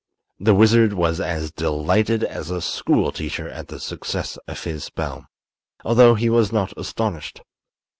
The wizard was as delighted as a school teacher at the success of his spell, although he was not astonished.